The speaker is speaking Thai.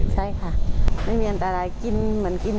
ใช่ค่ะไม่มีอันตรายกินเหมือนกิน